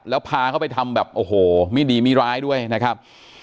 แล้วพาเขาไปทำแบบโอ้โหไม่ดีไม่ร้ายด้วยนะครับ